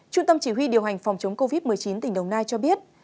trung tâm chỉ huy điều hành phòng chống covid một mươi chín tỉnh đồng nai cho biết